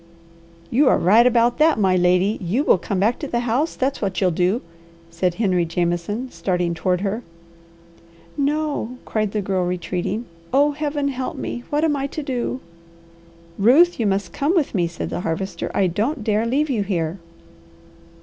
"You are right about that, my lady; you will come back to the house, that's what you'll do," said Henry Jameson, starting toward her. "No!" cried the Girl retreating. "Oh Heaven help me! What am I to do?" "Ruth, you must come with me," said the Harvester. "I don't dare leave you here."